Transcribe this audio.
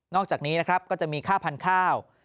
นอกจากนี้ก็จะมีค่าพันธุ์ข้าว